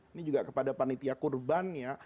ini juga kepada panitia kurban ya